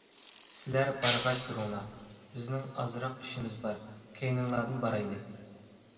-سىلەر بارغاچ تۇرۇڭلار، بىزنىڭ ئازراق ئىشىمىز بار، كەينىڭلاردىن بارايلى.